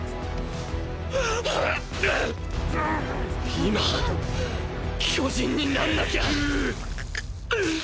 今巨人になんなきゃ！